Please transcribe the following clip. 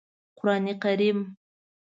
قرآن کریم